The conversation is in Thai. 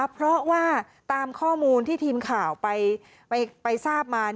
เพราะว่าตามข้อมูลที่ทีมข่าวไปทราบมา